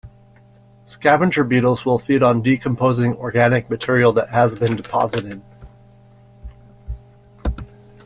Scavenger beetles will feed on decomposing organic material that has been deposited.